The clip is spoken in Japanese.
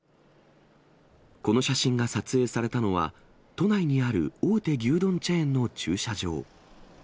この写真が撮影されたのは、都内にある大手牛丼チェーンの駐車場。